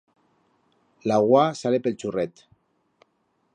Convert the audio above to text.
L'augua sale pe'l churret.